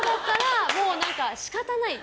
もう仕方ない。